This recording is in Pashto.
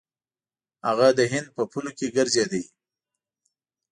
هغه د هند په پولو کې ګرځېدی.